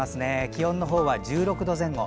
気温のほうは１６度前後。